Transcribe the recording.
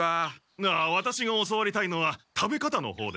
ああワタシが教わりたいのは食べ方のほうです。